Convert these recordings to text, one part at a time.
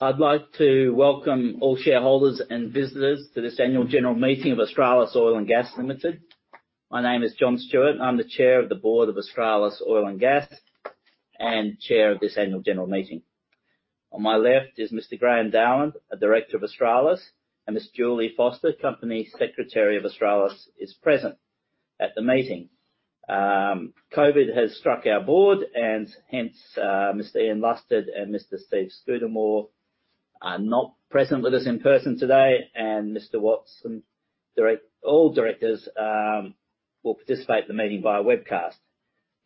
I'd like to welcome all shareholders and visitors to this annual general meeting of Australis Oil & Gas Limited. My name is Jonathan Stewart, and I'm the Chair of the board of Australis Oil & Gas, and Chair of this annual general meeting. On my left is Mr. Graham Dowland, a Director of Australis, and Ms. Julie Foster, Company Secretary of Australis, is present at the meeting. COVID has struck our Board, and hence, Mr. Ian Lusted and Mr. Stephen Scudamore are not present with us in person today, and Mr. Watson. All directors will participate in the meeting via webcast.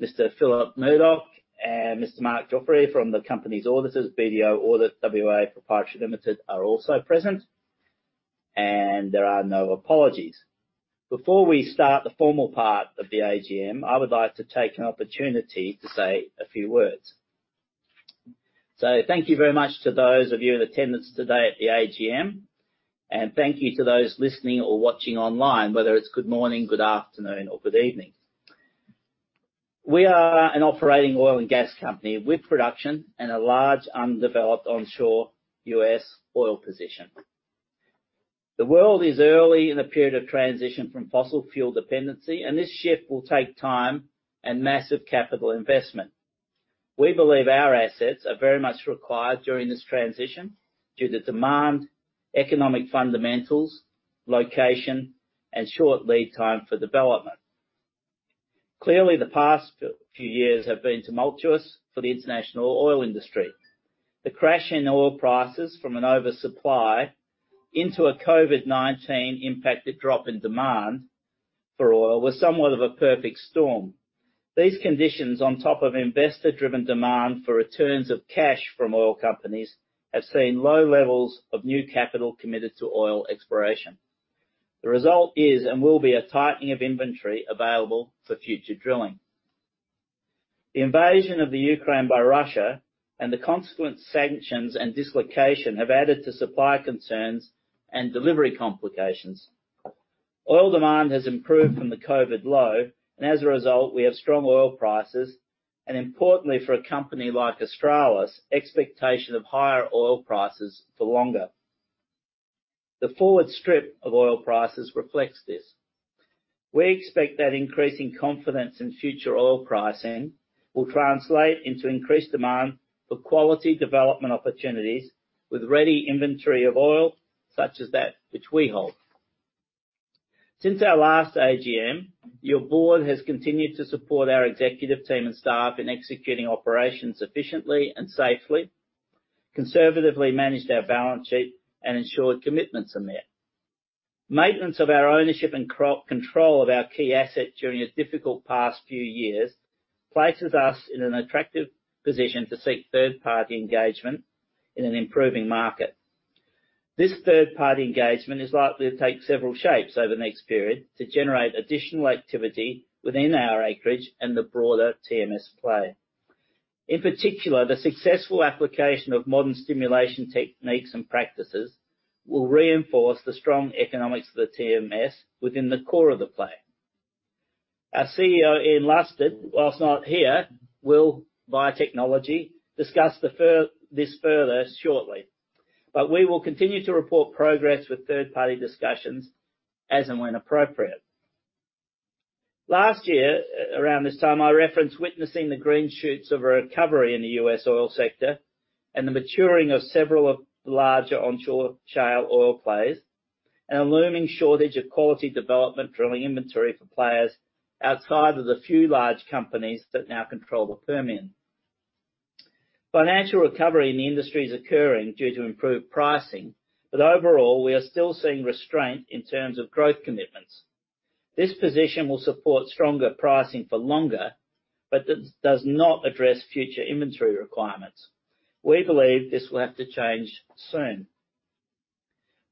Mr. Philip Murdoch and Mr. Mark Geoffrey from the company's auditors, BDO Audit (WA) Pty Ltd, are also present, and there are no apologies. Before we start the formal part of the AGM, I would like to take an opportunity to say a few words. Thank you very much to those of you in attendance today at the AGM, and thank you to those listening or watching online, whether it's good morning, good afternoon or good evening. We are an operating oil and gas company with production and a large undeveloped onshore U.S. oil position. The world is early in a period of transition from fossil fuel dependency, and this shift will take time and massive capital investment. We believe our assets are very much required during this transition due to demand, economic fundamentals, location, and short lead time for development. Clearly, the past few years have been tumultuous for the international oil industry. The crash in oil prices from an oversupply into a COVID-19 impacted drop in demand for oil was somewhat of a perfect storm. These conditions, on top of investor-driven demand for returns of cash from oil companies, have seen low levels of new capital committed to oil exploration. The result is and will be a tightening of inventory available for future drilling. The invasion of the Ukraine by Russia, and the consequent sanctions and dislocation have added to supply concerns and delivery complications. Oil demand has improved from the COVID low, and as a result, we have strong oil prices, and importantly for a company like Australis, expectation of higher oil prices for longer. The forward strip of oil prices reflects this. We expect that increasing confidence in future oil pricing will translate into increased demand for quality development opportunities with ready inventory of oil such as that which we hold. Since our last AGM, your board has continued to support our executive team and staff in executing operations efficiently and safely, conservatively managed our balance sheet and ensured commitments are met. Maintenance of our ownership and co-control of our key assets during this difficult past few years places us in an attractive position to seek third-party engagement in an improving market. This third-party engagement is likely to take several shapes over the next period to generate additional activity within our acreage and the broader TMS play. In particular, the successful application of modern stimulation techniques and practices will reinforce the strong economics of the TMS within the core of the play. Our CEO, Ian Lusted, while not here, will, via technology, discuss this further shortly. We will continue to report progress with third-party discussions as and when appropriate. Last year, around this time, I referenced witnessing the green shoots of a recovery in the U.S. oil sector and the maturing of several of the larger onshore shale oil players, and a looming shortage of quality development drilling inventory for players outside of the few large companies that now control the Permian. Financial recovery in the industry is occurring due to improved pricing, but overall, we are still seeing restraint in terms of growth commitments. This position will support stronger pricing for longer, but it does not address future inventory requirements. We believe this will have to change soon.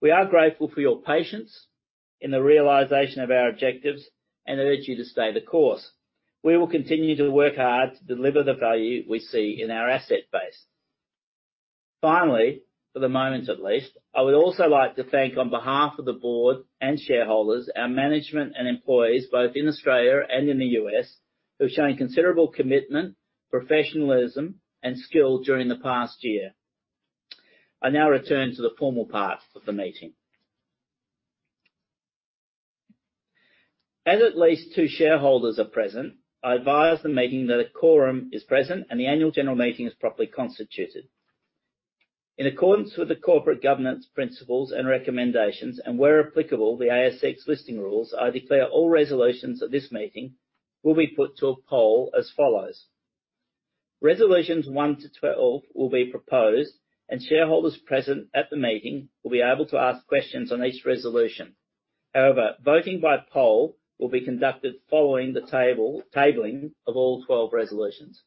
We are grateful for your patience in the realization of our objectives and urge you to stay the course. We will continue to work hard to deliver the value we see in our asset base. Finally, for the moment at least, I would also like to thank, on behalf of the board and shareholders, our management and employees, both in Australia and in the U.S., who've shown considerable commitment, professionalism and skill during the past year. I now return to the formal part of the meeting. As at least two shareholders are present, I advise the meeting that a quorum is present and the annual general meeting is properly constituted. In accordance with the corporate governance principles and recommendations, and where applicable, the ASX listing rules, I declare all resolutions at this meeting will be put to a poll as follows. Resolutions 1 to 12 will be proposed, and shareholders present at the meeting will be able to ask questions on each resolution. However, voting by poll will be conducted following the tabling of all 12 resolutions.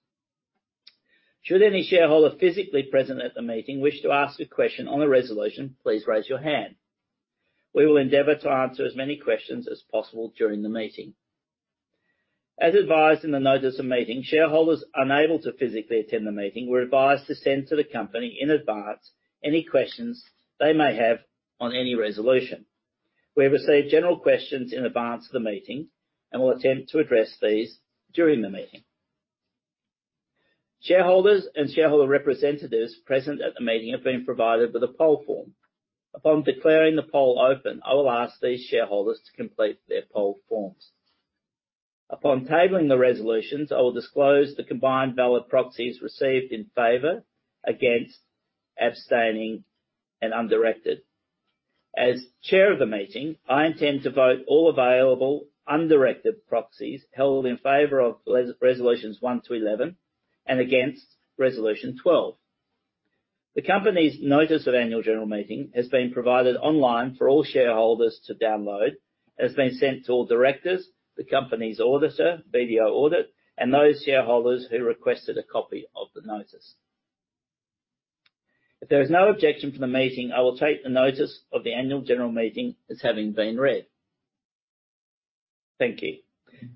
Should any shareholder physically present at the meeting wish to ask a question on the resolution, please raise your hand. We will endeavor to answer as many questions as possible during the meeting. As advised in the notice of meeting, shareholders unable to physically attend the meeting were advised to send to the company in advance any questions they may have on any resolution. We have received general questions in advance of the meeting and will attempt to address these during the meeting. Shareholders and shareholder representatives present at the meeting have been provided with a poll form. Upon declaring the poll open, I will ask these shareholders to complete their poll forms. Upon tabling the resolutions, I will disclose the combined ballot proxies received in favor, against, abstaining, and undirected. As chair of the meeting, I intend to vote all available undirected proxies held in favor of resolutions 1 to 11 and against resolution 12. The company's notice of annual general meeting has been provided online for all shareholders to download, has been sent to all directors, the company's auditor, BDO Audit, and those shareholders who requested a copy of the notice. If there is no objection from the meeting, I will take the notice of the annual general meeting as having been read. Thank you.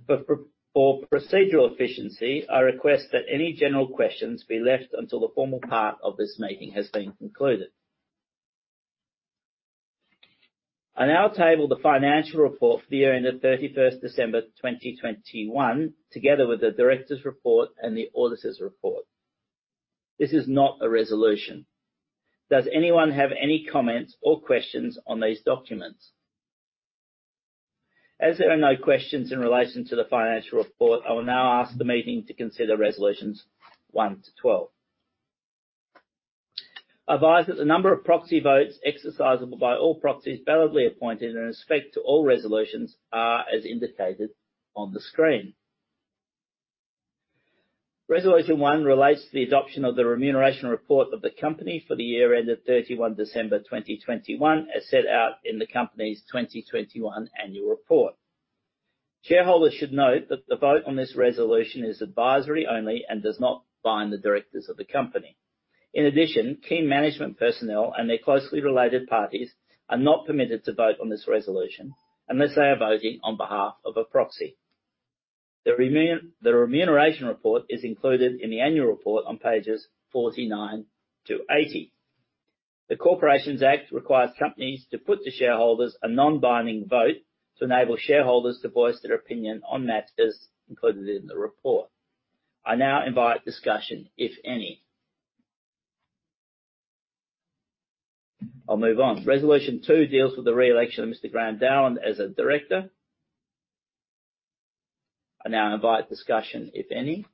For procedural efficiency, I request that any general questions be left until the formal part of this meeting has been concluded. I now table the financial report for the year ended December 31st, 2021, together with the directors' report and the auditor's report. This is not a resolution. Does anyone have any comments or questions on these documents? As there are no questions in relation to the financial report, I will now ask the meeting to consider resolutions 1 to 12. I advise that the number of proxy votes exercisable by all proxies validly appointed in respect to all resolutions are as indicated on the screen. Resolution 1 relates to the adoption of the remuneration report of the company for the year ended December 31, 2021 as set out in the company's 2021 annual report. Shareholders should note that the vote on this resolution is advisory only and does not bind the directors of the company. In addition, key management personnel and their closely related parties are not permitted to vote on this resolution unless they are voting on behalf of a proxy. The remuneration report is included in the annual report on pages 49 to 80. The Corporations Act requires companies to put to shareholders a non-binding vote to enable shareholders to voice their opinion on matters included in the report. I now invite discussion, if any. I'll move on. Resolution two deals with the re-election of Mr. Graham Dowland as a director. I now invite discussion, if any.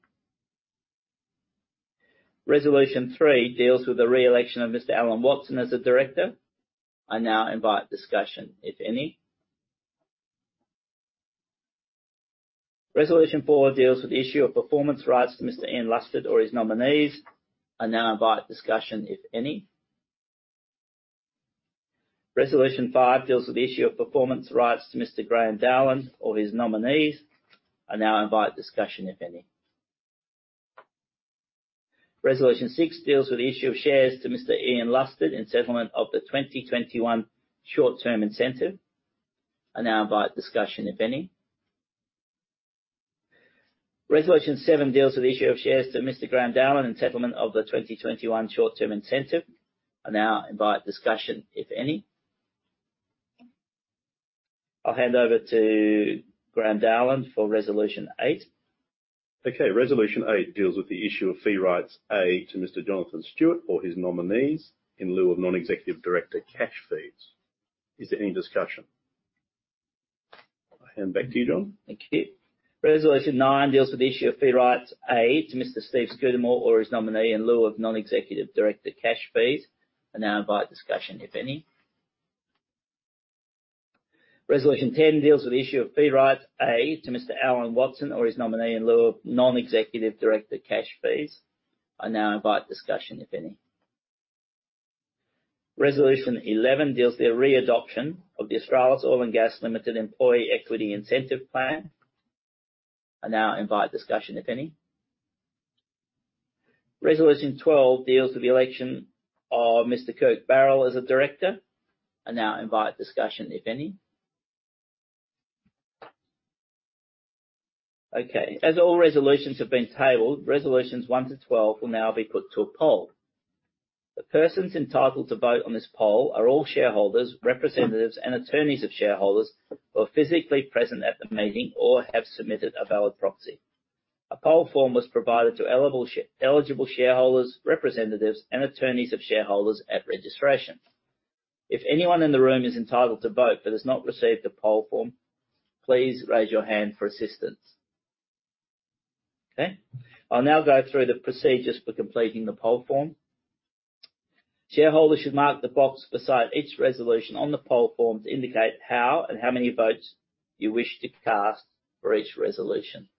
Resolution three deals with the re-election of Mr. Alan Watson as a director. I now invite discussion, if any. Resolution four deals with the issue of performance rights to Mr. Ian Lusted or his nominees. I now invite discussion, if any. Resolution five deals with the issue of performance rights to Mr. Graham Dowland or his nominees. I now invite discussion, if any. Resolution six deals with the issue of shares to Mr. Ian Lusted in settlement of the 2021 short-term incentive. I now invite discussion, if any. Resolution 7 deals with the issue of shares to Mr. Graham Dowland in settlement of the 2021 short-term incentive. I now invite discussion, if any. I'll hand over to Graham Dowland for resolution 8. Okay. Resolution eight deals with the issue of fee rights A to Mr. Jonathan Stewart or his nominees in lieu of non-executive director cash fees. Is there any discussion? I hand back to you, John. Thank you. Resolution nine deals with the issue of fee rights A to Mr. Stephen Scudamore or his nominee in lieu of non-executive director cash fees. I now invite discussion, if any. Resolution ten deals with the issue of fee rights A to Mr. Alan Watson or his nominee in lieu of non-executive director cash fees. I now invite discussion, if any. Resolution eleven deals with the re-adoption of the Australis Oil & Gas Limited Employee Equity Incentive Plan. I now invite discussion, if any. Resolution twelve deals with the election of Mr. Kirk Barrell as a director. I now invite discussion, if any. Okay. As all resolutions have been tabled, resolutions one to twelve will now be put to a poll. The persons entitled to vote on this poll are all shareholders, representatives, and attorneys of shareholders who are physically present at the meeting or have submitted a valid proxy. A poll form was provided to eligible shareholders, representatives, and attorneys of shareholders at registration. If anyone in the room is entitled to vote but has not received a poll form, please raise your hand for assistance. Okay. I'll now go through the procedures for completing the poll form. Shareholders should mark the box beside each resolution on the poll form to indicate how and how many votes you wish to cast for each resolution.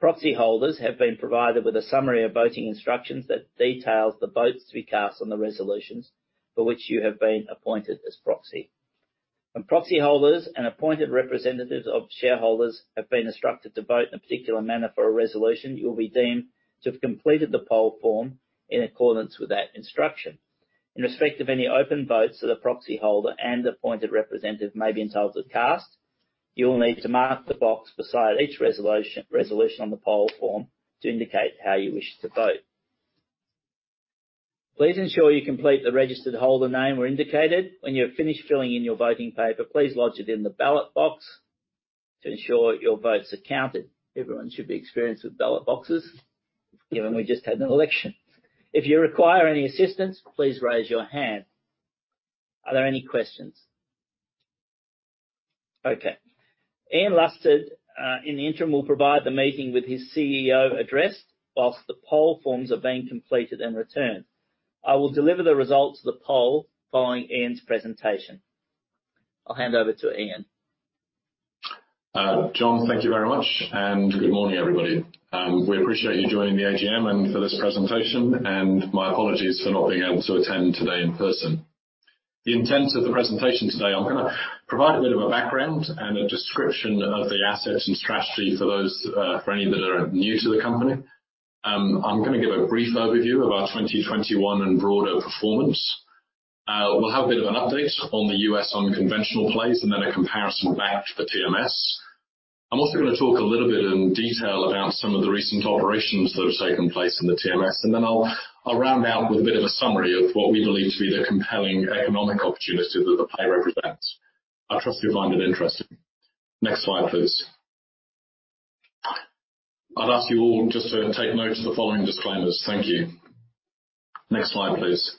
Proxy holders have been provided with a summary of voting instructions that details the votes to be cast on the resolutions for which you have been appointed as proxy. When proxy holders and appointed representatives of shareholders have been instructed to vote in a particular manner for a resolution, you will be deemed to have completed the poll form in accordance with that instruction. In respect of any open votes that a proxy holder and appointed representative may be entitled to cast, you will need to mark the box beside each resolution on the poll form to indicate how you wish to vote. Please ensure you complete the registered holder name where indicated. When you're finished filling in your voting paper, please lodge it in the ballot box to ensure your vote's counted. Everyone should be experienced with ballot boxes, given we just had an election. If you require any assistance, please raise your hand. Are there any questions? Okay. Ian Lusted, in the interim, will provide the meeting with his CEO address while the poll forms are being completed and returned. I will deliver the results of the poll following Ian's presentation. I'll hand over to Ian. Jonathan, thank you very much, and good morning, everybody. We appreciate you joining the AGM and for this presentation, and my apologies for not being able to attend today in person. The intent of the presentation today, I'm gonna provide a bit of a background and a description of the assets and strategy for those, for any that are new to the company. I'm gonna give a brief overview of our 2021 and broader performance. We'll have a bit of an update on the US unconventional plays and then a comparison back to the TMS. I'm also gonna talk a little bit in detail about some of the recent operations that have taken place in the TMS, and then I'll round out with a bit of a summary of what we believe to be the compelling economic opportunity that the play represents. I trust you'll find it interesting. Next slide, please. I'd ask you all just to take note of the following disclaimers. Thank you. Next slide, please.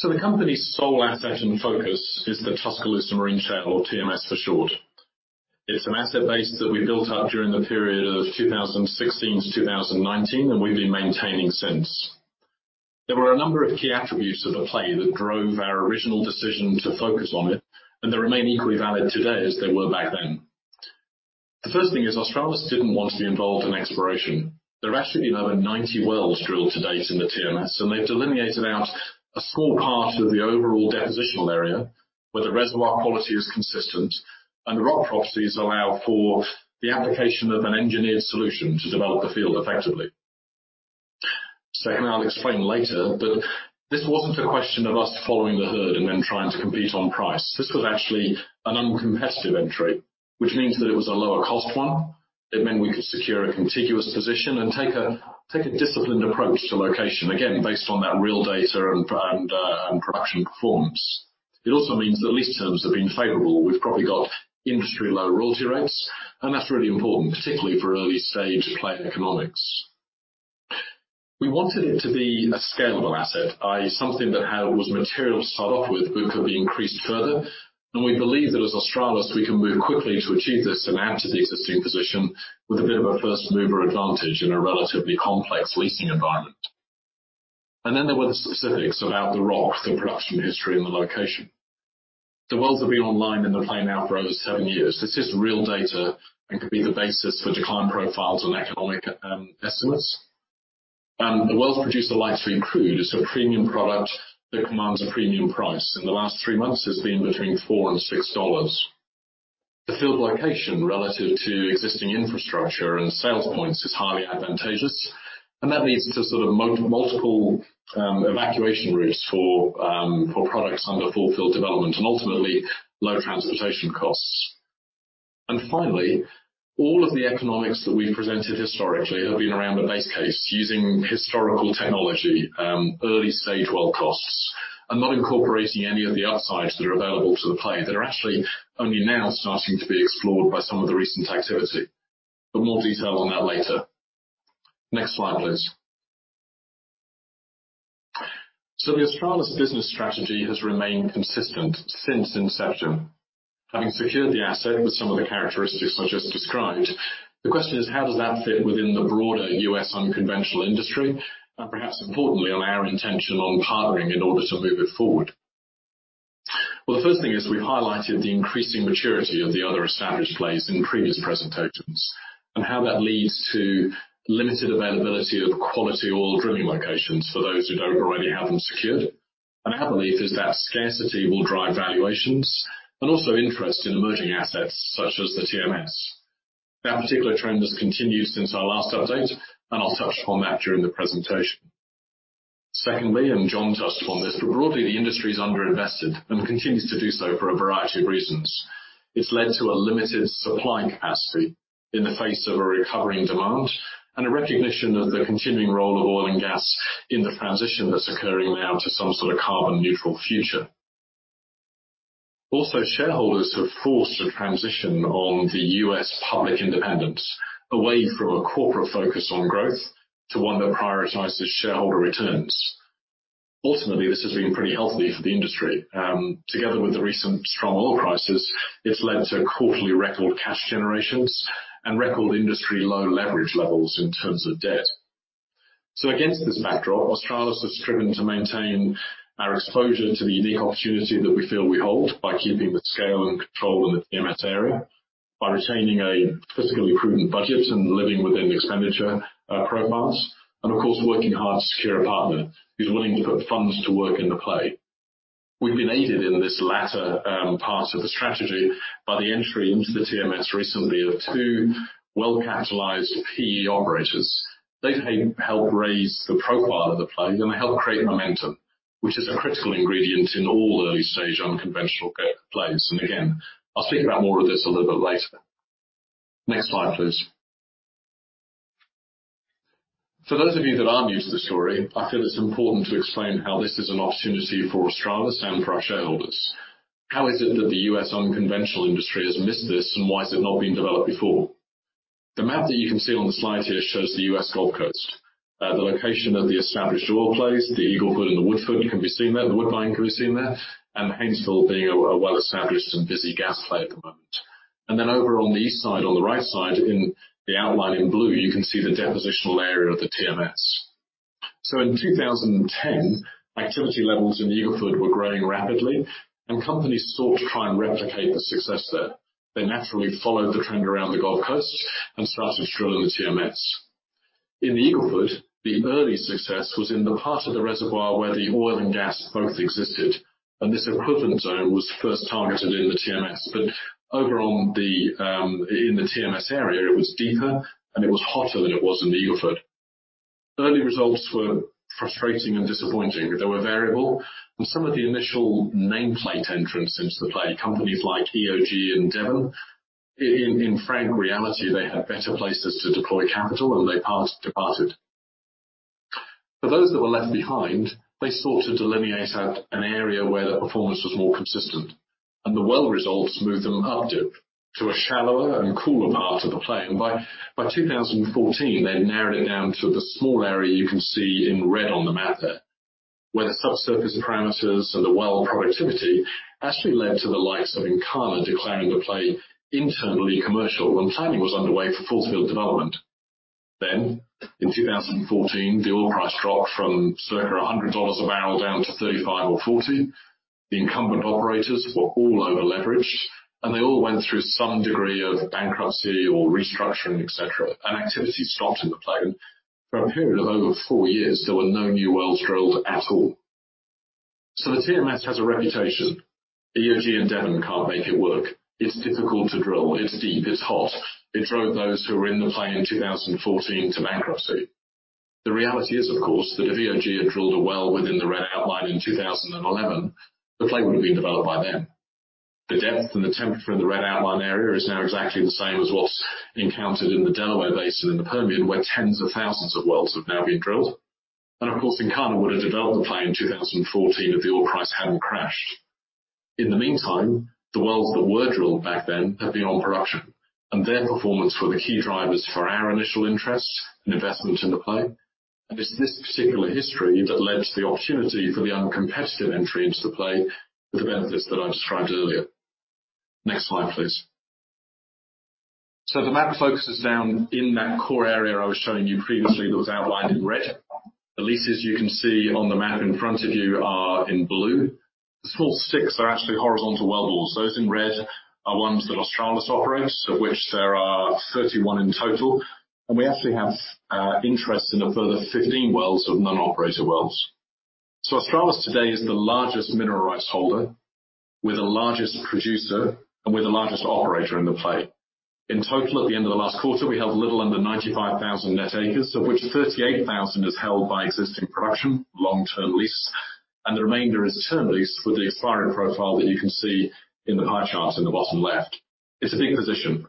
The company's sole asset and focus is the Tuscaloosa Marine Shale or TMS for short. It's an asset base that we built up during the period of 2016 to 2019, and we've been maintaining since. There were a number of key attributes of the play that drove our original decision to focus on it, and they remain equally valid today as they were back then. The first thing is Australis didn't want to be involved in exploration. There are actually over 90 wells drilled to date in the TMS, and they've delineated out a small part of the overall depositional area where the reservoir quality is consistent and the rock properties allow for the application of an engineered solution to develop the field effectively. Secondly, I'll explain later that this wasn't a question of us following the herd and then trying to compete on price. This was actually an uncompetitive entry, which means that it was a lower cost one. It meant we could secure a contiguous position and take a disciplined approach to location, again, based on that real data and production performance. It also means the lease terms have been favorable. We've probably got industry-low royalty rates, and that's really important, particularly for early-stage play economics. We wanted it to be a scalable asset, i.e., something that had... was material to start off with but could be increased further. We believe that as Australis, we can move quickly to achieve this and add to the existing position with a bit of a first-mover advantage in a relatively complex leasing environment. Then there were the specifics about the rock, the production history and the location. The wells have been online in the play now for over seven years. This is real data and could be the basis for decline profiles and economic estimates. The wells produce the light sweet crude, so a premium product that commands a premium price. In the last three months, it's been between $4 and $6. The field location relative to existing infrastructure and sales points is highly advantageous, and that leads to sort of multiple evacuation routes for products under full field development and ultimately low transportation costs. Finally, all of the economics that we've presented historically have been around the base case using historical technology, early-stage well costs, and not incorporating any of the upsides that are available to the play that are actually only now starting to be explored by some of the recent activity. More detail on that later. Next slide, please. The Australis business strategy has remained consistent since inception. Having secured the asset with some of the characteristics I just described, the question is: How does that fit within the broader U.S. unconventional industry? Perhaps importantly, our intention of partnering in order to move it forward. Well, the first thing is we highlighted the increasing maturity of the other established plays in previous presentations and how that leads to limited availability of quality oil drilling locations for those who don't already have them secured. Our belief is that scarcity will drive valuations and also interest in emerging assets such as the TMS. That particular trend has continued since our last update, and I'll touch upon that during the presentation. Secondly, and Jonathan touched on this, but broadly, the industry is underinvested and continues to do so for a variety of reasons. It's led to a limited supply capacity in the face of a recovering demand and a recognition of the continuing role of oil and gas in the transition that's occurring now to some sort of carbon neutral future. Also, shareholders have forced a transition on the U.S. public independents away from a corporate focus on growth to one that prioritizes shareholder returns. Ultimately, this has been pretty healthy for the industry. Together with the recent strong oil prices, it's led to quarterly record cash generations and record industry-low leverage levels in terms of debt. Against this backdrop, Australis has striven to maintain our exposure to the unique opportunity that we feel we hold by keeping the scale and control in the TMS area, by retaining a fiscally prudent budget and living within the expenditure profiles, and of course, working hard to secure a partner who's willing to put funds to work in the play. We've been aided in this latter part of the strategy by the entry into the TMS recently of two well-capitalized PE operators. They've helped raise the profile of the play. They're gonna help create momentum, which is a critical ingredient in all early-stage unconventional plays. Again, I'll speak about more of this a little bit later. Next slide, please. For those of you that aren't used to the story, I feel it's important to explain how this is an opportunity for Australis and for our shareholders. How is it that the U.S. unconventional industry has missed this, and why has it not been developed before? The map that you can see on the slide here shows the U.S. Gulf Coast. The location of the established oil plays, the Eagle Ford and the Woodford can be seen there. The Woodbine can be seen there, and the Haynesville being a well-established and busy gas play at the moment. Over on the east side, on the right side in the outline in blue, you can see the depositional area of the TMS. In 2010, activity levels in the Eagle Ford were growing rapidly, and companies sought to try and replicate the success there. They naturally followed the trend around the Gulf Coast and started drilling the TMS. In the Eagle Ford, the early success was in the part of the reservoir where the oil and gas both existed, and this equivalent zone was first targeted in the TMS. Overall the, in the TMS area, it was deeper, and it was hotter than it was in the Eagle Ford. Early results were frustrating and disappointing. They were variable. Some of the initial nameplate entrants into the play, companies like EOG and Devon, in frank reality, they had better places to deploy capital and they departed. For those that were left behind, they sought to delineate out an area where their performance was more consistent. The well results moved them up dip to a shallower and cooler part of the play. By 2014, they had narrowed it down to the small area you can see in red on the map there, where the subsurface parameters and the well productivity actually led to the likes of Encana declaring the play internally commercial. Planning was underway for full field development. In 2014, the oil price dropped from circa $100 a barrel down to $35 or $40. The incumbent operators were all over-leveraged, and they all went through some degree of bankruptcy or restructuring, et cetera. Activity stopped in the play. For a period of over four years, there were no new wells drilled at all. The TMS has a reputation. The EOG and Devon can't make it work. It's difficult to drill. It's deep, it's hot. It drove those who were in the play in 2014 to bankruptcy. The reality is, of course, that if EOG had drilled a well within the red outline in 2011, the play would have been developed by then. The depth and the temperature in the red outline area is now exactly the same as what's encountered in the Delaware Basin in the Permian, where tens of thousands of wells have now been drilled. Of course, Encana would have developed the play in 2014 if the oil price hadn't crashed. In the meantime, the wells that were drilled back then have been on production, and their performance were the key drivers for our initial interest and investment in the play. It's this particular history that led to the opportunity for the uncompetitive entry into the play with the benefits that I described earlier. Next slide, please. So the map focuses down in that core area I was showing you previously that was outlined in red. The leases you can see on the map in front of you are in blue. These full six are actually horizontal wellbores. Those in red are ones that Australis operates, of which there are 31 in total. We actually have interest in a further 15 wells of non-operator wells. Australis today is the largest mineral rights holder. We're the largest producer, and we're the largest operator in the play. In total, at the end of the last quarter, we held a little under 95,000 net acres, of which 38,000 is held by existing production, long-term leases. The remainder is term lease with the expiring profile that you can see in the pie chart in the bottom left. It's a big position.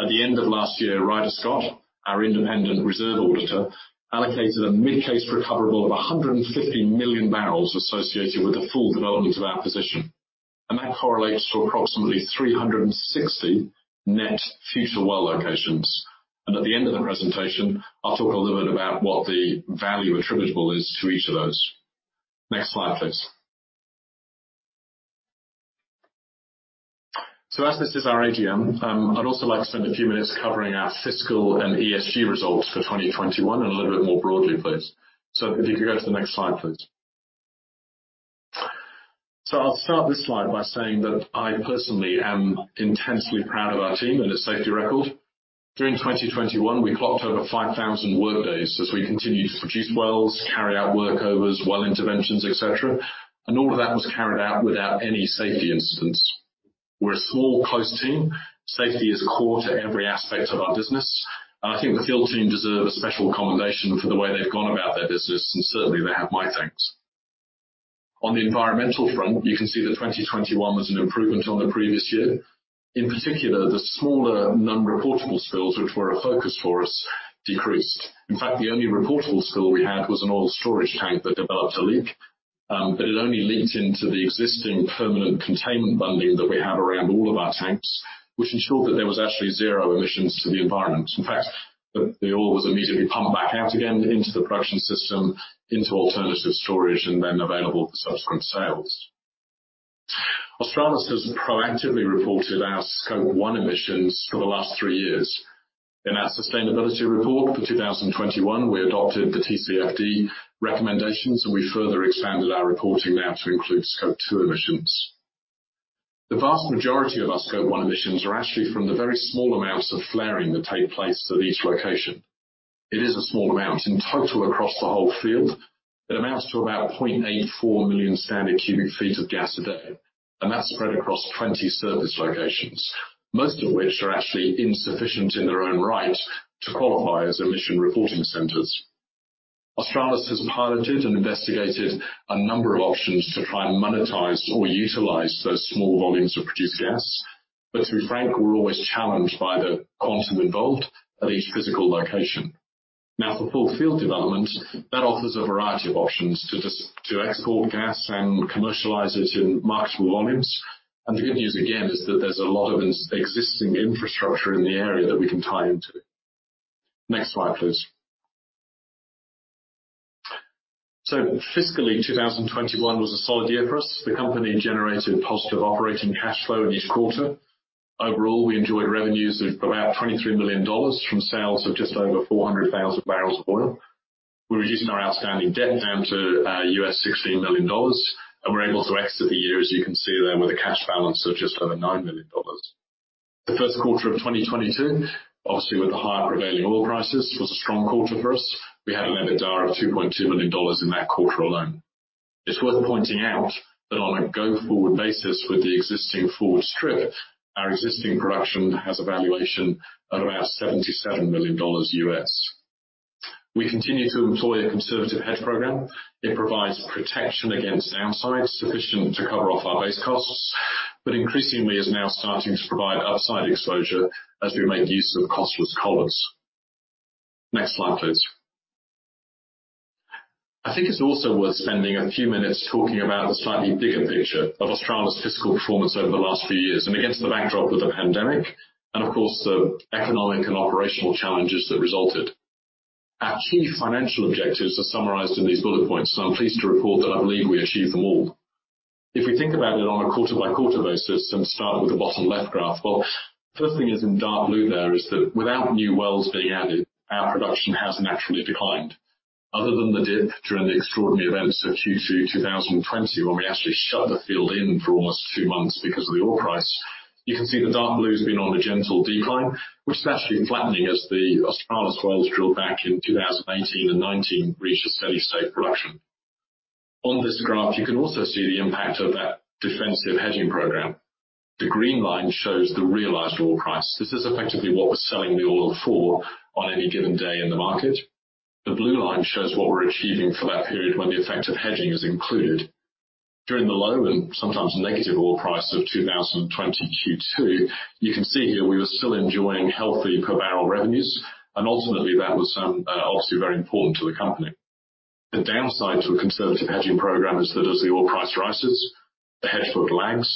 At the end of last year, Ryder Scott, our independent reserve auditor, allocated a mid case recoverable of 150 million barrels associated with the full development of our position. That correlates to approximately 360 net future well locations. At the end of the presentation, I'll talk a little bit about what the value attributable is to each of those. Next slide, please. As this is our AGM, I'd also like to spend a few minutes covering our fiscal and ESG results for 2021 and a little bit more broadly, please. If you could go to the next slide, please. I'll start this slide by saying that I personally am intensely proud of our team and its safety record. During 2021, we clocked over 5,000 workdays as we continued to produce wells, carry out workovers, well interventions, et cetera. All of that was carried out without any safety incidents. We're a small, close team. Safety is core to every aspect of our business. I think the field team deserve a special commendation for the way they've gone about their business, and certainly, they have my thanks. On the environmental front, you can see that 2021 was an improvement on the previous year. In particular, the smaller number of reportable spills, which were a focus for us, decreased. In fact, the only reportable spill we had was an oil storage tank that developed a leak. But it only leaked into the existing permanent containment bunding that we have around all of our tanks, which ensured that there was actually zero emissions to the environment. In fact, the oil was immediately pumped back out again into the production system, into alternative storage and then available for subsequent sales. Australis has proactively reported our Scope 1 emissions for the last three years. In our sustainability report for 2021, we adopted the TCFD recommendations, and we further expanded our reporting now to include Scope 2 emissions. The vast majority of our Scope 1 emissions are actually from the very small amounts of flaring that take place at each location. It is a small amount. In total across the whole field, it amounts to about 0.84 million standard cubic feet of gas a day, and that's spread across 20 service locations, most of which are actually insufficient in their own right to qualify as emission reporting centers. Australis has piloted and investigated a number of options to try and monetize or utilize those small volumes of produced gas. To be frank, we're always challenged by the cost involved at each physical location. Now for full field development, that offers a variety of options to just, to export gas and commercialize it in marketable volumes. The good news, again, is that there's a lot of existing infrastructure in the area that we can tie into. Next slide, please. Fiscally, 2021 was a solid year for us. The company generated positive operating cash flow in each quarter. Overall, we enjoyed revenues of about $23 million from sales of just over 400,000 bbl of oil. We were using our outstanding debt down to $16 million, and we're able to exit the year, as you can see there, with a cash balance of just over $9 million. The first quarter of 2022, obviously, with the higher prevailing oil prices, was a strong quarter for us. We had an EBITDA of $2.2 million in that quarter alone. It's worth pointing out that on a go-forward basis with the existing forward strip, our existing production has a valuation of about $77 million. We continue to employ a conservative hedge program. It provides protection against downsides sufficient to cover off our base costs, but increasingly is now starting to provide upside exposure as we make use of costless collars. Next slide, please. I think it's also worth spending a few minutes talking about the slightly bigger picture of Australis's fiscal performance over the last few years, and against the backdrop of the pandemic and of course, the economic and operational challenges that resulted. Our key financial objectives are summarized in these bullet points, so I'm pleased to report that I believe we achieved them all. If we think about it on a quarter-by-quarter basis and start with the bottom left graph. Well, first thing is in dark blue there is that without new wells being added, our production has naturally declined. Other than the dip during the extraordinary events of Q2 2020 when we actually shut the field in for almost two months because of the oil price, you can see the dark blue has been on a gentle decline, which is actually flattening as the Australis wells drilled back in 2018 and 2019 reach a steady state production. On this graph, you can also see the impact of that defensive hedging program. The green line shows the realized oil price. This is effectively what we're selling the oil for on any given day in the market. The blue line shows what we're achieving for that period when the effect of hedging is included. During the low and sometimes negative oil price of 2020 Q2, you can see here we were still enjoying healthy per barrel revenues, and ultimately that was obviously very important to the company. The downside to a conservative hedging program is that as the oil price rises, the hedge foot lags.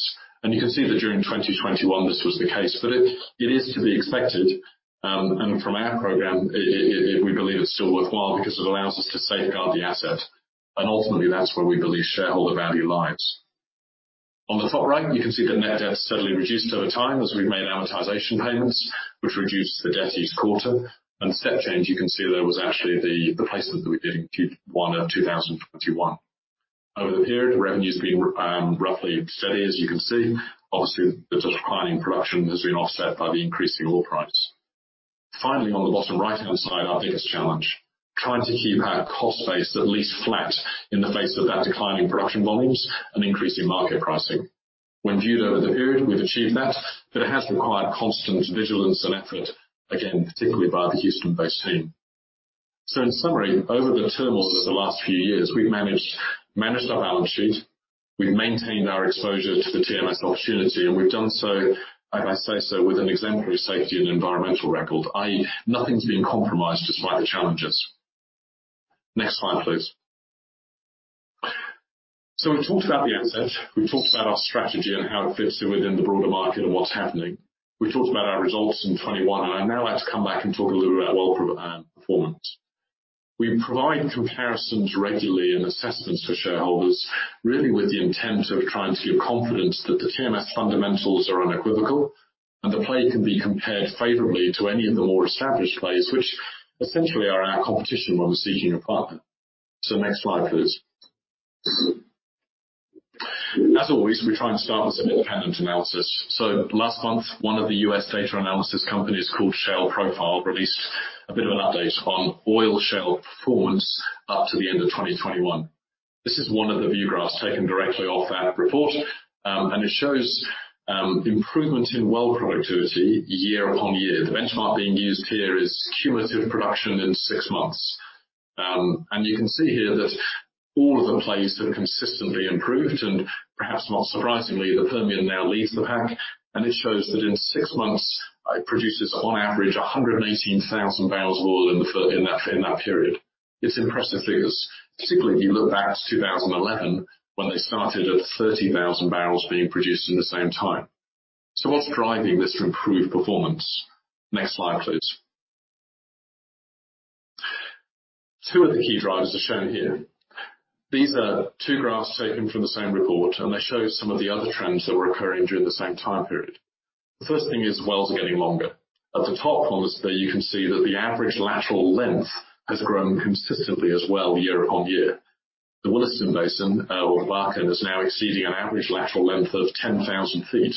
You can see that during 2021, this was the case. It is to be expected, and from our program, it we believe it's still worthwhile because it allows us to safeguard the asset and ultimately that's where we believe shareholder value lies. On the top right, you can see the net debt suddenly reduced over time as we've made amortization payments, which reduced the debt each quarter. The step change you can see there was actually the placement that we did in Q1 of 2021. Over the period, revenue has been roughly steady, as you can see. Obviously, the declining production has been offset by the increasing oil price. Finally, on the bottom right-hand side, our biggest challenge, trying to keep our cost base at least flat in the face of that declining production volumes and increasing market pricing. When viewed over the period, we've achieved that, but it has required constant vigilance and effort, again, particularly by the Houston-based team. In summary, over the turmoil of the last few years, we've managed our balance sheet, we've maintained our exposure to the TMS opportunity, and we've done so, if I say so, with an exemplary safety and environmental record, i.e., nothing's been compromised despite the challenges. Next slide, please. We've talked about the assets. We've talked about our strategy and how it fits within the broader market and what's happening. We've talked about our results in 2021, and I'd now like to come back and talk a little bit about well performance. We provide comparisons regularly and assessments for shareholders, really with the intent of trying to give confidence that the TMS fundamentals are unequivocal and the play can be compared favorably to any of the more established plays, which essentially are our competition when we're seeking a partner. Next slide, please. As always, we try and start with some independent analysis. Last month, one of the U.S. data analysis companies called ShaleProfile released a bit of an update on oil shale performance up to the end of 2021. This is one of the view graphs taken directly off that report, and it shows improvement in well productivity year upon year. The benchmark being used here is cumulative production in six months. You can see here that all of the plays have consistently improved and perhaps not surprisingly, the Permian now leads the pack, and it shows that in six months, it produces on average 118,000 barrels of oil in that period. It's impressive figures, particularly if you look back to 2011 when they started at 30,000 bbl being produced in the same time. What's driving this improved performance? Next slide, please. Two of the key drivers are shown here. These are two graphs taken from the same report, and they show some of the other trends that were occurring during the same time period. The first thing is wells are getting longer. At the top of this, there you can see that the average lateral length has grown consistently as well year upon year. The Williston Basin, or Bakken, is now exceeding an average lateral length of 10,000 ft.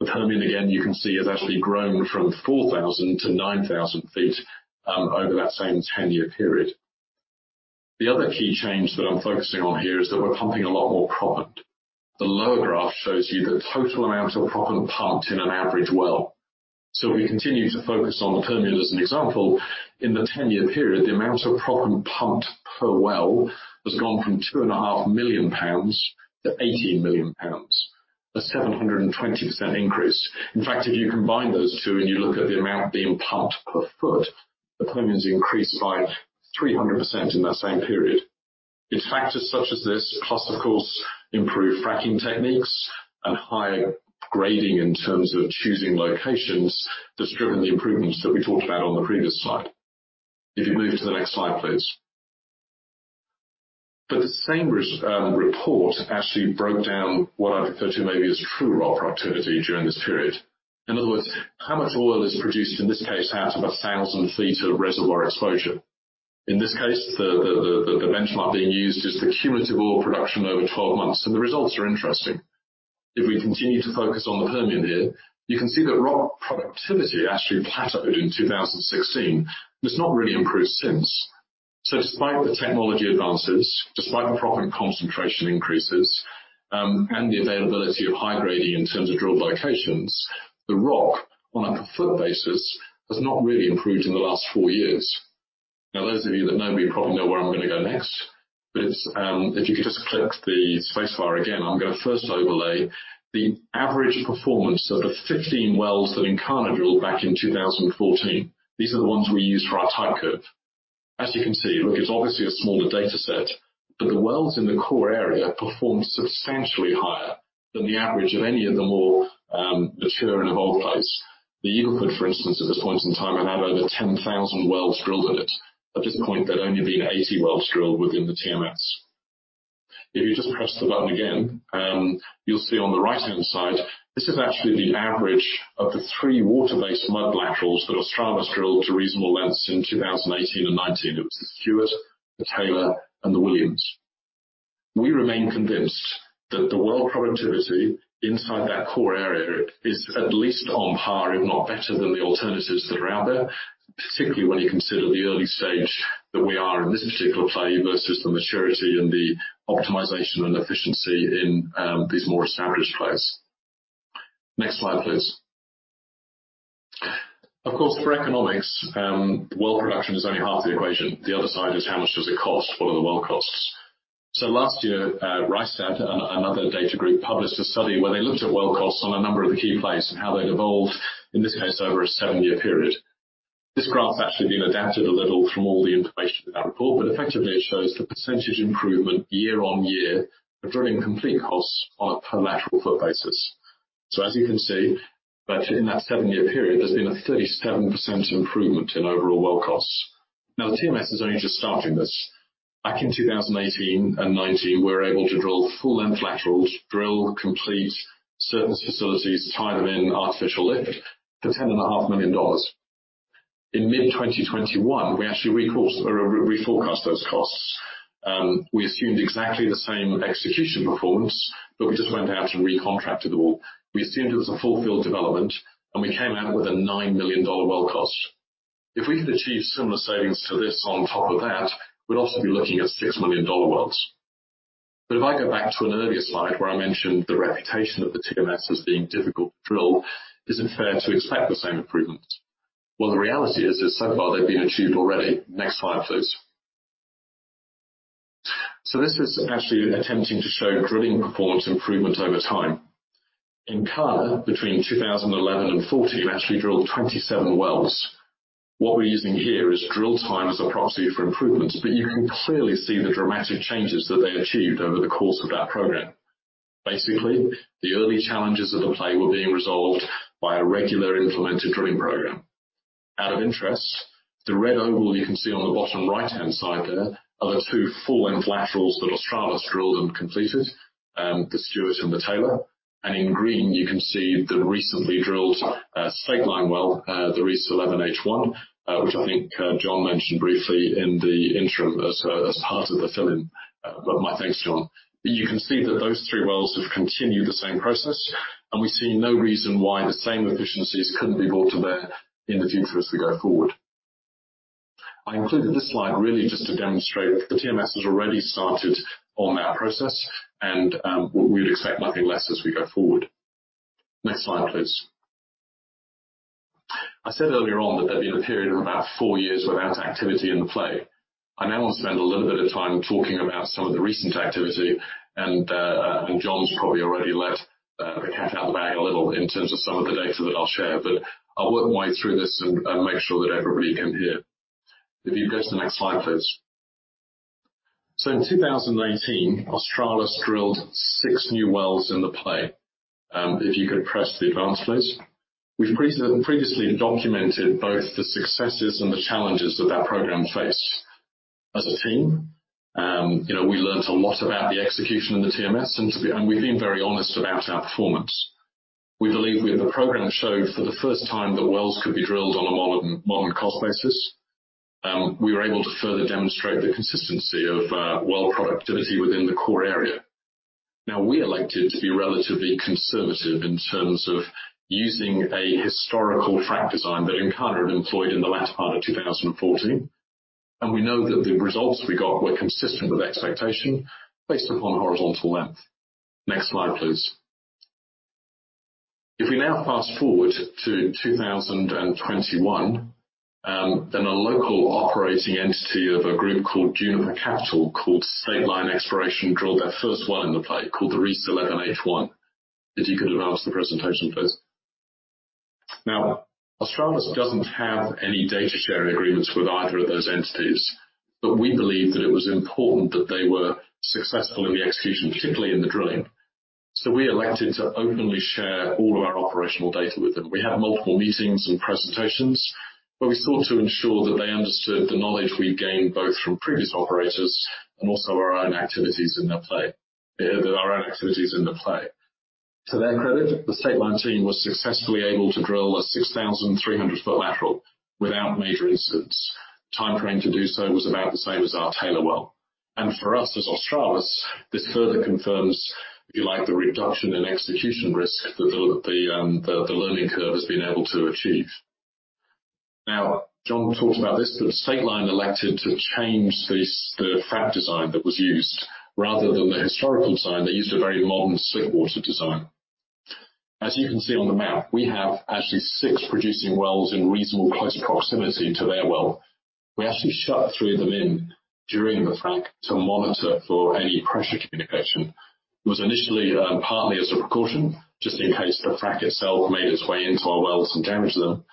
The Permian, again, you can see, has actually grown from 4,000 ft to 9,000 ft, over that same 10-year period. The other key change that I'm focusing on here is that we're pumping a lot more proppant. The lower graph shows you the total amount of proppant pumped in an average well. If we continue to focus on the Permian as an example, in the 10-year period, the amount of proppant pumped per well has gone from 2.5 million pounds to 18 million pounds. A 720% increase. In fact, if you combine those two and you look at the amount being pumped per foot, the Permian's increased by 300% in that same period. It's factors such as this, plus of course, improved fracking techniques and higher grading in terms of choosing locations that's driven the improvements that we talked about on the previous slide. If you move to the next slide, please. The same Rystad report actually broke down what I refer to maybe as true rock productivity during this period. In other words, how much oil is produced, in this case, out of 1,000 ft of reservoir exposure. In this case, the benchmark being used is the cumulative oil production over 12 months, and the results are interesting. If we continue to focus on the Permian here, you can see that rock productivity actually plateaued in 2016, and it's not really improved since. Despite the technology advances, despite the proppant concentration increases, and the availability of high grading in terms of drill locations, the rock on a per foot basis has not really improved in the last four years. Now, those of you that know me probably know where I'm gonna go next, but it's if you could just click the space bar again, I'm gonna first overlay the average performance of the 15 wells that Encana drilled back in 2014. These are the ones we use for our type curve. As you can see, it is obviously a smaller data set, but the wells in the core area perform substantially higher than the average of any of the more mature and evolved plays. The Eagle Ford, for instance, at this point in time, it had over 10,000 wells drilled in it. At this point, there'd only been 80 wells drilled within the TMS. If you just press the button again, you'll see on the right-hand side, this is actually the average of the three water-based mud laterals that Australis drilled to reasonable lengths in 2018 and 2019. It was the Stewart, the Taylor, and the Williams. We remain convinced that the well productivity inside that core area is at least on par, if not better than the alternatives that are out there, particularly when you consider the early stage that we are in this particular play versus the maturity and the optimization and efficiency in these more established players. Next slide, please. Of course, for economics, well production is only half the equation. The other side is how much does it cost? What are the well costs? Last year, Rystad, another data group, published a study where they looked at well costs on a number of the key plays and how they'd evolved, in this case, over a seven-year period. This graph's actually been adapted a little from all the information in that report, but effectively, it shows the percentage improvement year-over-year of drilling and completion costs on a per lateral foot basis. As you can see, but in that seven-year period, there's been a 37% improvement in overall well costs. Now, the TMS is only just starting this. Back in 2018 and 2019, we were able to drill full-length laterals, drill and complete certain facilities, tie them in artificial lift for $10.5 million. In mid-2021, we actually recost or reforecast those costs. We assumed exactly the same execution performance, but we just went out and recontracted them all. We assumed it was a full field development, and we came out with a $9 million well cost. If we can achieve similar savings to this on top of that, we'd also be looking at $6 million wells. If I go back to an earlier slide where I mentioned the reputation of the TMS as being difficult to drill, is it fair to expect the same improvements? Well, the reality is, so far they've been achieved already. Next slide, please. This is actually attempting to show drilling performance improvement over time. Encana, between 2011 and 2014, actually drilled 27 wells. What we're using here is drill time as a proxy for improvements, but you can clearly see the dramatic changes that they achieved over the course of that program. Basically, the early challenges of the play were being resolved by a regular implemented drilling program. Out of interest, the red oval you can see on the bottom right-hand side there are the two full-length laterals that Australis drilled and completed, the Stewart and the Taylor. In green, you can see the recently drilled Stateline well, the Reese 11H No. one, which I think John mentioned briefly in the intro as part of the fill-in. My thanks, John. You can see that those three wells have continued the same process, and we see no reason why the same efficiencies couldn't be brought to bear in the future as we go forward. I included this slide really just to demonstrate the TMS has already started on that process and we'd expect nothing less as we go forward. Next slide, please. I said earlier on that there'd been a period of about four years without activity in the play. I now want to spend a little bit of time talking about some of the recent activity and John's probably already let the cat out of the bag a little in terms of some of the data that I'll share, but I'll work my way through this and make sure that everybody can hear. If you go to the next slide, please. In 2018, Australis drilled six new wells in the play. If you could press to advance, please. We've previously documented both the successes and the challenges that that program faced. As a team, you know, we learned a lot about the execution of the TMS, and to be honest, we've been very honest about our performance. We believe the program showed for the first time that wells could be drilled on a modern cost basis. We were able to further demonstrate the consistency of well productivity within the core area. Now, we elected to be relatively conservative in terms of using a historical frac design that Encana had employed in the latter part of 2014. We know that the results we got were consistent with expectation based upon horizontal length. Next slide, please. If we now fast-forward to 2021, then a local operating entity of a group called Juniper Capital, called Stateline Exploration, drilled their first well in the play called the Reese 11H No. 1. If you could advance the presentation, please. Now, Australis doesn't have any data-sharing agreements with either of those entities, but we believe that it was important that they were successful in the execution, particularly in the drilling. We elected to openly share all of our operational data with them. We had multiple meetings and presentations, but we sought to ensure that they understood the knowledge we gained, both from previous operators and also our own activities in the play. To their credit, the Stateline team was successfully able to drill a 6,300 ft lateral without major incidents. Timeframe to do so was about the same as our Taylor well. For us, as Australis, this further confirms, if you like, the reduction in execution risk that the learning curve has been able to achieve. Now, John talked about this, but Stateline elected to change the frac design that was used. Rather than the historical design, they used a very modern slickwater design. As you can see on the map, we have actually six producing wells in reasonably close proximity to their well. We actually shut three of them in during the frac to monitor for any pressure communication. It was initially partly as a precaution, just in case the frac itself made its way into our wells and damaged them.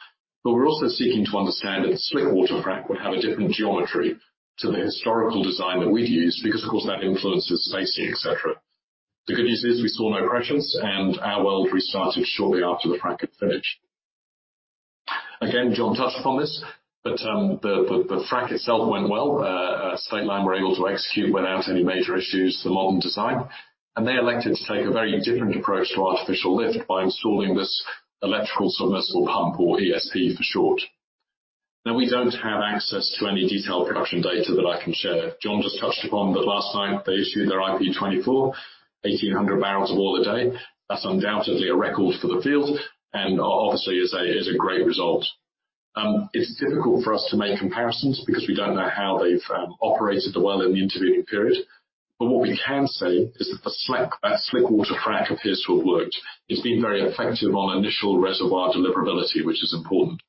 But we're also seeking to understand if the slickwater frac would have a different geometry to the historical design that we'd used because, of course, that influences spacing, et cetera. The good news is we saw no pressures, and our wells restarted shortly after the frac had finished. Again, John touched upon this, but the frac itself went well. Stateline were able to execute without any major issues the modern design, and they elected to take a very different approach to artificial lift by installing this electrical submersible pump or ESP for short. Now, we don't have access to any detailed production data that I can share. John just touched upon that. Last night they issued their IP24, 1,800 bbl of oil a day. That's undoubtedly a record for the field and obviously is a great result. It's difficult for us to make comparisons because we don't know how they've operated the well in the intervening period. What we can say is that the slickwater frac appears to have worked. It's been very effective on initial reservoir deliverability, which is important.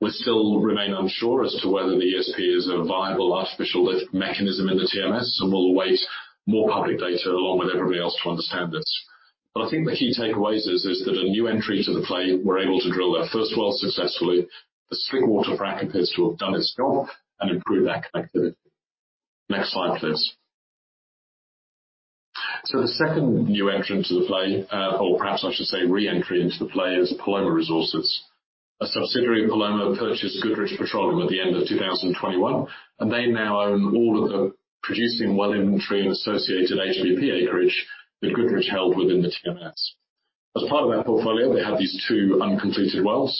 We still remain unsure as to whether the ESP is a viable artificial lift mechanism in the TMS, and we'll await more public data along with everybody else to understand this. I think the key takeaways is that a new entry to the play were able to drill their first well successfully. The slickwater frac appears to have done its job and improved that connectivity. Next slide, please. The second new entrant to the play, or perhaps I should say re-entry into the play is Paloma Resources. A subsidiary of Paloma purchased Goodrich Petroleum at the end of 2021, and they now own all of the producing well inventory and associated HBP acreage that Goodrich held within the TMS. As part of that portfolio, they have these two uncompleted wells,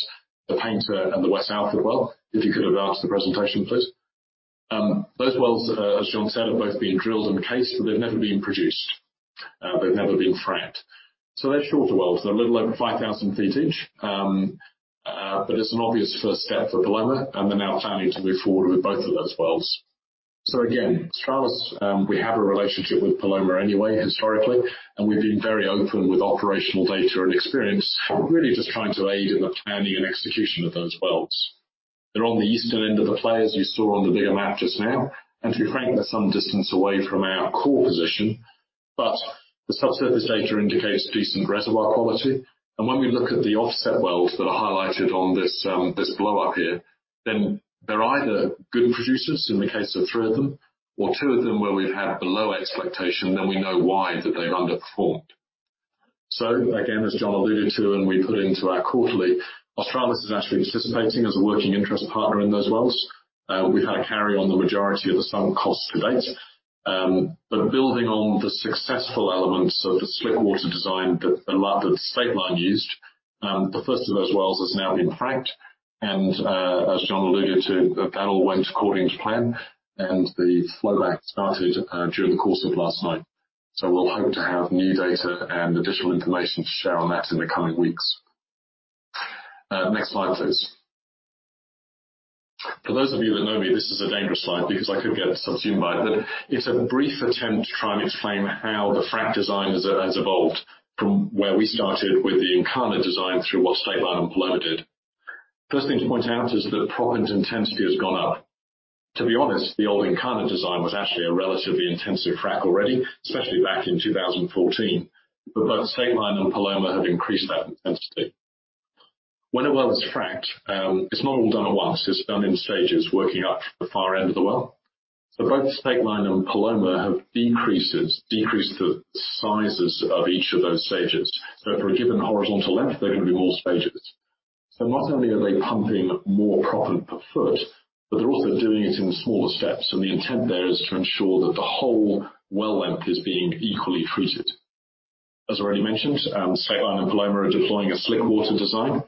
the Painter and the West Alford well. If you could advance the presentation, please. Those wells, as John said, have both been drilled and cased, but they've never been produced. They've never been fracked. They're shorter wells. They're a little over 5,000 feet each. But it's an obvious first step for Paloma, and they're now planning to move forward with both of those wells. Again, Australis, we have a relationship with Paloma anyway, historically, and we've been very open with operational data and experience, really just trying to aid in the planning and execution of those wells. They're on the eastern end of the play, as you saw on the bigger map just now, and to be frank, they're some distance away from our core position. The subsurface data indicates decent reservoir quality. When we look at the offset wells that are highlighted on this blow-up here, then they're either good producers in the case of three of them or two of them where we've had below expectation, then we know why that they've underperformed. Again, as John alluded to and we put into our quarterly, Australis is actually participating as a working interest partner in those wells. We've had a carry on the majority of the sunk costs to date. Building on the successful elements of the slickwater design that Stateline used, the first of those wells has now been fracked and, as John alluded to, that all went according to plan and the flowback started during the course of last night. We'll hope to have new data and additional information to share on that in the coming weeks. Next slide, please. For those of you that know me, this is a dangerous slide because I could get subsumed by it. It's a brief attempt to try and explain how the frac design has evolved from where we started with the Encana design through what Stateline and Paloma did. First thing to point out is that proppant intensity has gone up. To be honest, the old Encana design was actually a relatively intensive frac already, especially back in 2014. Both Stateline and Paloma have increased that intensity. When a well is fracked, it's not all done at once. It's done in stages, working up from the far end of the well. Both Stateline and Paloma have decreased the sizes of each of those stages. For a given horizontal length, they're gonna be more stages. Not only are they pumping more proppant per foot, but they're also doing it in smaller steps. The intent there is to ensure that the whole well length is being equally treated. As already mentioned, Stateline and Paloma are deploying a slickwater design.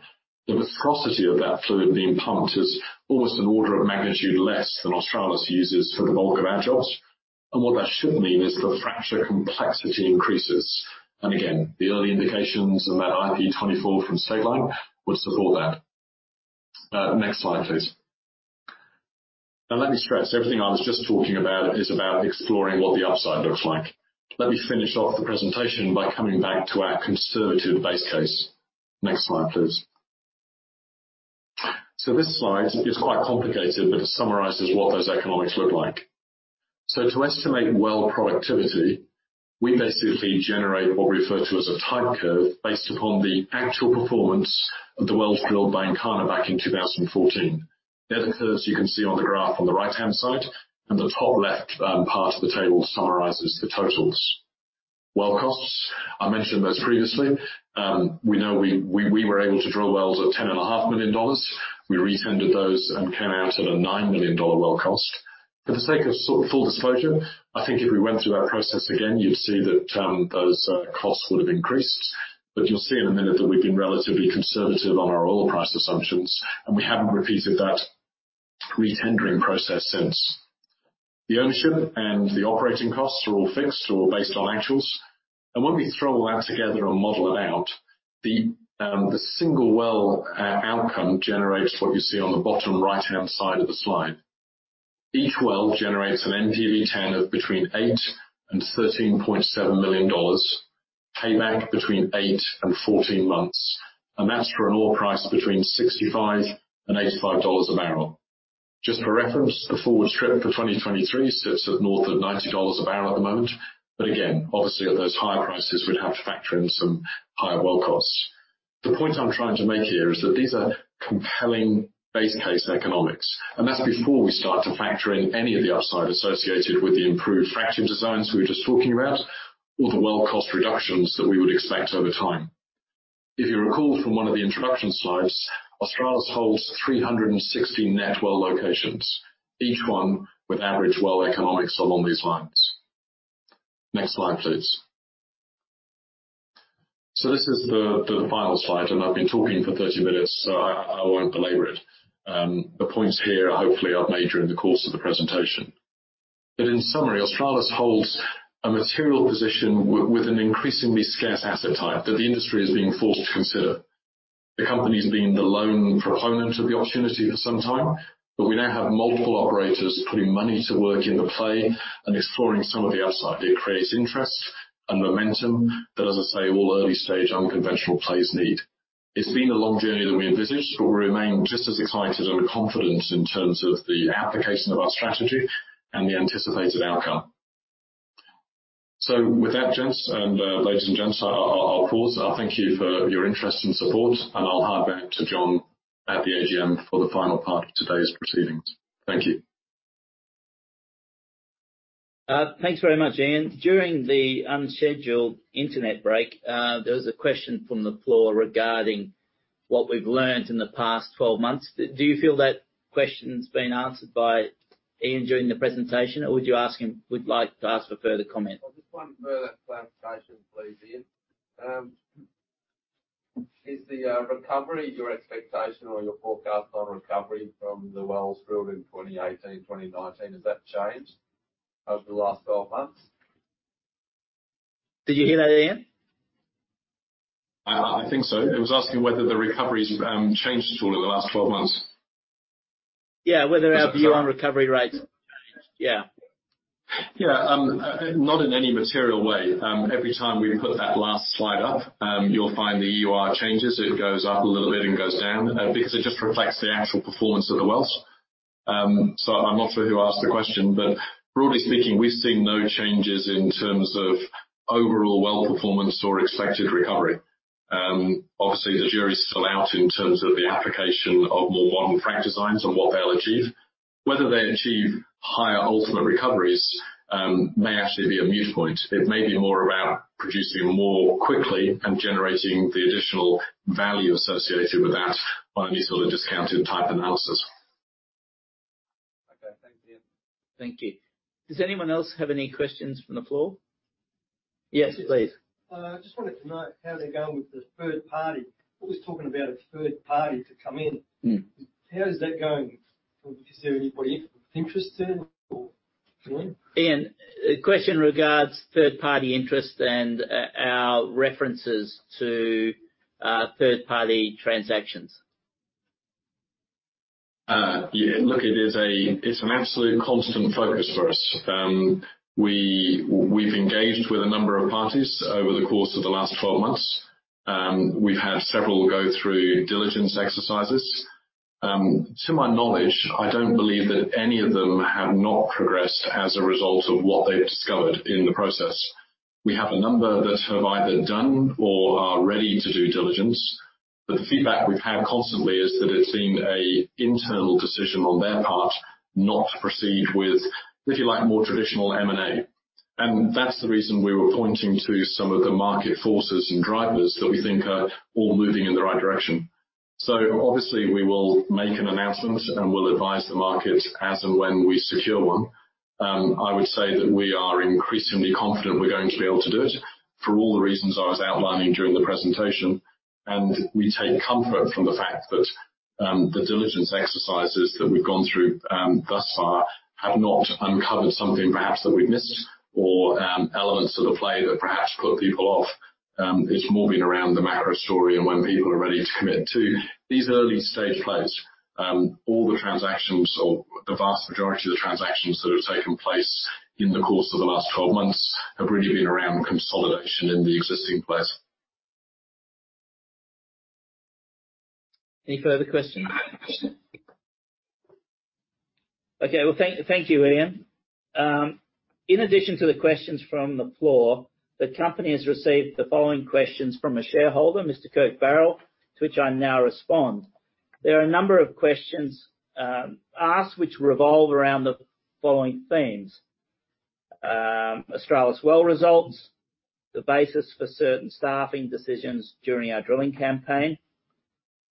The viscosity of that fluid being pumped is almost an order of magnitude less than Australis uses for the bulk of our jobs. What that should mean is the fracture complexity increases. Again, the early indications and that IP24 from Stateline would support that. Next slide, please. Now let me stress, everything I was just talking about is about exploring what the upside looks like. Let me finish off the presentation by coming back to our conservative base case. Next slide, please. This slide is quite complicated, but it summarizes what those economics look like. To estimate well productivity, we basically generate what we refer to as a type curve based upon the actual performance of the wells drilled by Encana back in 2014. That occurs, you can see on the graph on the right-hand side, and the top left part of the table summarizes the totals. Well costs, I mentioned those previously. We know we were able to drill wells at $10.5 million. We re-tendered those and came out at a $9 million well cost. For the sake of full disclosure, I think if we went through that process again, you'd see that those costs would have increased. You'll see in a minute that we've been relatively conservative on our oil price assumptions, and we haven't repeated that re-tendering process since. The ownership and the operating costs are all fixed or based on actuals. When we throw all that together and model it out, the single well outcome generates what you see on the bottom right-hand side of the slide. Each well generates an NPV10 of between $8 million and $13.7 million, payback between eight and 14 months. That's for an oil price between $65 and $85 a barrel. Just for reference, the forward strip for 2023 sits at north of $90 a barrel at the moment. Again, obviously at those higher prices, we'd have to factor in some higher well costs. The point I'm trying to make here is that these are compelling base case economics, and that's before we start to factor in any of the upside associated with the improved fracture designs we were just talking about or the well cost reductions that we would expect over time. If you recall from one of the introduction slides, Australis holds 360 net well locations, each one with average well economics along these lines. Next slide, please. This is the final slide, and I've been talking for 30 minutes, so I won't belabor it. The points here hopefully I've made during the course of the presentation. In summary, Australis holds a material position with an increasingly scarce asset type that the industry is being forced to consider. The company's been the lone proponent of the opportunity for some time, but we now have multiple operators putting money to work in the play and exploring some of the upside. It creates interest and momentum that, as I say, all early-stage unconventional plays need. It's been a longer journey than we envisaged, but we remain just as excited and confident in terms of the application of our strategy and the anticipated outcome. With that, gents and ladies and gents, I'll pause. I'll thank you for your interest and support, and I'll hand back to John at the AGM for the final part of today's proceedings. Thank you. Thanks very much, Ian. During the unscheduled internet break, there was a question from the floor regarding what we've learned in the past 12 months. Do you feel that question's been answered by Ian during the presentation, or would you like to ask for further comment? Just one further clarification, please, Ian. Is the recovery your expectation or your forecast on recovery from the wells drilled in 2018, 2019, has that changed over the last 12 months? Did you hear that, Ian? I think so. He was asking whether the recovery's changed at all in the last 12 months. Yeah, whether our EUR recovery rate. Yeah. Yeah. Not in any material way. Every time we put that last slide up, you'll find the EUR changes. It goes up a little bit and goes down, because it just reflects the actual performance of the wells. I'm not sure who asked the question, but broadly speaking, we've seen no changes in terms of overall well performance or expected recovery. Obviously, the jury is still out in terms of the application of more modern frac designs and what they'll achieve. Whether they achieve higher ultimate recoveries, may actually be a moot point. It may be more about producing more quickly and generating the additional value associated with that by a neatly discounted type analysis. Okay. Thanks, Ian. Thank you. Does anyone else have any questions from the floor? Yes, please. I just wanted to know how they're going with the third party. Always talking about a third party to come in. Mm. How is that going? Is there anybody interested or coming? Ian, a question regards third-party interest and our references to third-party transactions. Look, it is. It's an absolute constant focus for us. We've engaged with a number of parties over the course of the last 12 months. We've had several go through diligence exercises. To my knowledge, I don't believe that any of them have not progressed as a result of what they've discovered in the process. We have a number that have either done or are ready to do diligence, but the feedback we've had constantly is that it's been an internal decision on their part not to proceed with, if you like, more traditional M&A. That's the reason we were pointing to some of the market forces and drivers that we think are all moving in the right direction. Obviously, we will make an announcement, and we'll advise the market as and when we secure one. I would say that we are increasingly confident we're going to be able to do it for all the reasons I was outlining during the presentation. We take comfort from the fact that the diligence exercises that we've gone through thus far have not uncovered something perhaps that we've missed or elements of the play that perhaps put people off. It's more been around the macro story and when people are ready to commit to these early stage plays. All the transactions or the vast majority of the transactions that have taken place in the course of the last 12 months have really been around consolidation in the existing plays. Any further questions? Okay. Well, thank you, Ian. In addition to the questions from the floor, the company has received the following questions from a shareholder, Mr. Kirk Barrell, to which I now respond. There are a number of questions asked which revolve around the following themes. Australis well results, the basis for certain staffing decisions during our drilling campaign,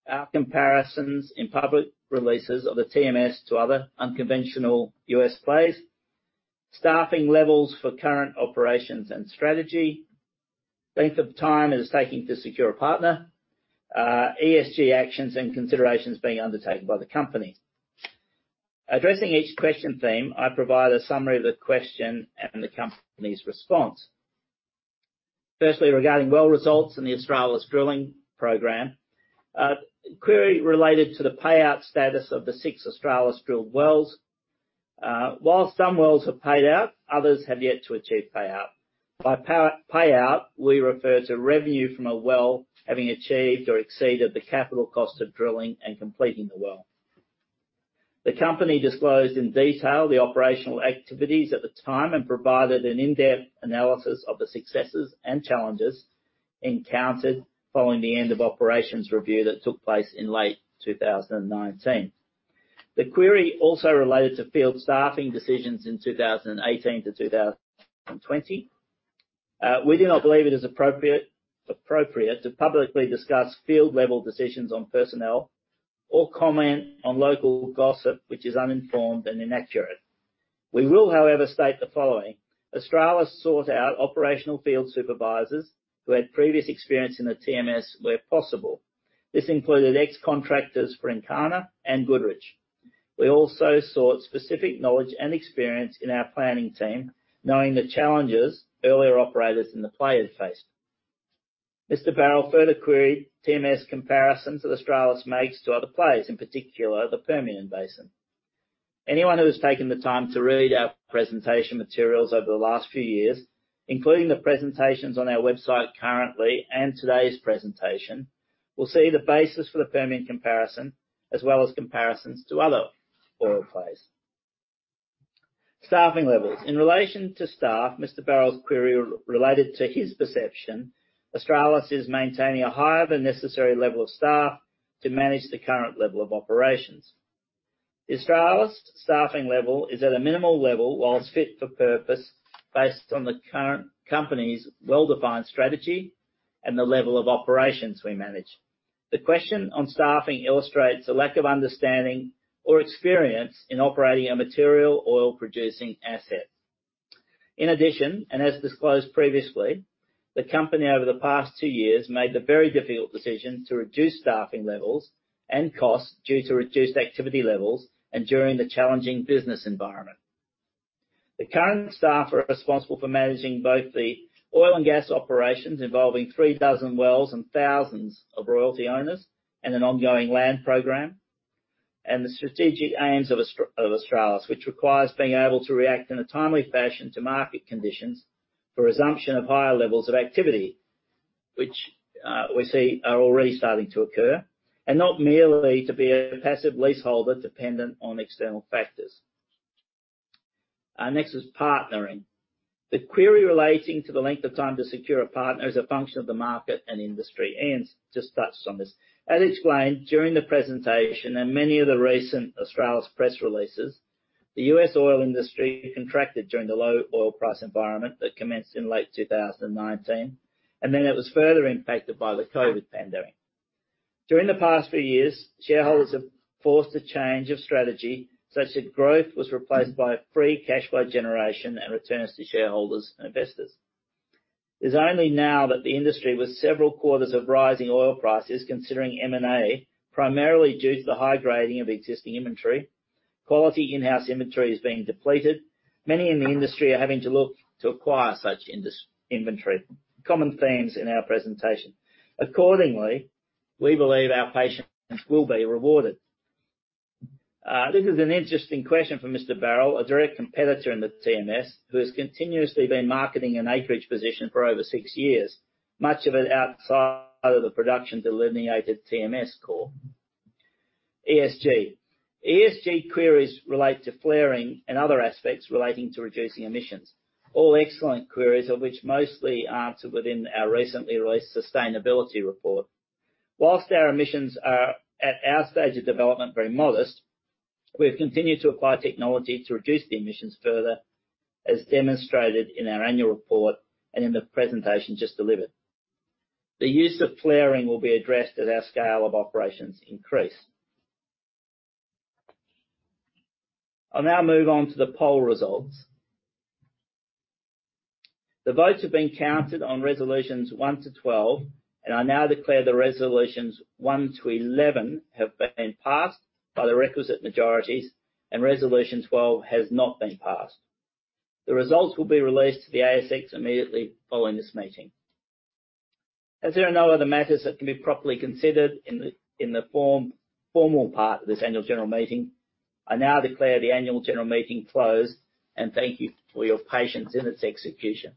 our comparisons in public releases of the TMS to other unconventional U.S. plays, staffing levels for current operations and strategy, length of time it is taking to secure a partner, ESG actions and considerations being undertaken by the company. Addressing each question theme, I provide a summary of the question and the company's response. Firstly, regarding well results and the Australis drilling program. Query related to the payout status of the six Australis drilled wells. While some wells have paid out, others have yet to achieve payout. By payout, we refer to revenue from a well having achieved or exceeded the capital cost of drilling and completing the well. The company disclosed in detail the operational activities at the time, and provided an in-depth analysis of the successes and challenges encountered following the end of operations review that took place in late 2019. The query also related to field staffing decisions in 2018 to 2020. We do not believe it is appropriate to publicly discuss field-level decisions on personnel or comment on local gossip which is uninformed and inaccurate. We will, however, state the following: Australis sought out operational field supervisors who had previous experience in the TMS where possible. This included ex-contractors for Encana and Goodrich. We also sought specific knowledge and experience in our planning team, knowing the challenges earlier operators in the play had faced. Mr. Barrell further queried TMS comparisons that Australis makes to other plays, in particular the Permian Basin. Anyone who has taken the time to read our presentation materials over the last few years, including the presentations on our website currently and today's presentation, will see the basis for the Permian comparison as well as comparisons to other oil plays. Staffing levels. In relation to staff, Mr. Barrell's query related to his perception, Australis is maintaining a higher than necessary level of staff to manage the current level of operations. The Australis staffing level is at a minimal level while fit for purpose based on the current company's well-defined strategy and the level of operations we manage. The question on staffing illustrates a lack of understanding or experience in operating a material oil-producing asset. In addition, and as disclosed previously, the company over the past two years made the very difficult decision to reduce staffing levels and costs due to reduced activity levels and during the challenging business environment. The current staff are responsible for managing both the oil and gas operations involving three dozen wells and thousands of royalty owners, and an ongoing land program. The strategic aims of Australis, which requires being able to react in a timely fashion to market conditions for resumption of higher levels of activity, which we see are already starting to occur, and not merely to be a passive leaseholder dependent on external factors. Next is partnering. The query relating to the length of time to secure a partner is a function of the market and industry. Ian's just touched on this. As explained during the presentation and many of the recent Australis press releases, the U.S. oil industry contracted during the low oil price environment that commenced in late 2019, and then it was further impacted by the COVID pandemic. During the past few years, shareholders have forced a change of strategy such that growth was replaced by free cash flow generation and returns to shareholders and investors. It's only now that the industry, with several quarters of rising oil prices considering M&A, primarily due to the high grading of existing inventory. Quality in-house inventory is being depleted. Many in the industry are having to look to acquire such inventory. Common themes in our presentation. Accordingly, we believe our patience will be rewarded. This is an interesting question from Mr. Barrell, a direct competitor in the TMS who has continuously been marketing an acreage position for over six years, much of it outside of the production delineated TMS core. ESG. ESG queries relate to flaring and other aspects relating to reducing emissions. All excellent queries of which mostly are answered within our recently released sustainability report. While our emissions are, at our stage of development, very modest, we've continued to apply technology to reduce the emissions further, as demonstrated in our annual report and in the presentation just delivered. The use of flaring will be addressed as our scale of operations increase. I'll now move on to the poll results. The votes have been counted on resolutions 1 to 12, and I now declare the resolutions 1 to 11 have been passed by the requisite majorities and resolution 12 has not been passed. The results will be released to the ASX immediately following this meeting. As there are no other matters that can be properly considered in the formal part of this annual general meeting, I now declare the annual general meeting closed, and thank you for your patience in its execution.